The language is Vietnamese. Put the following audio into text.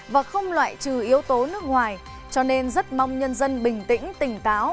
và không loại trừ yếu tố nước ngoài cho nên rất mong nhân dân bình tĩnh tỉnh táo